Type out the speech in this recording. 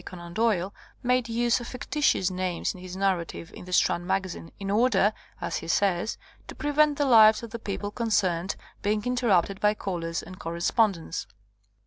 Conan Doyle made use of fictitious names in his narra tive in the Strand Magazine in order, as he says, to prevent the lives of the people con cerned being interrupted by callers and cor respondence.